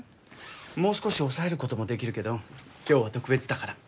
もう少し抑えることもできるけど今日は特別だから。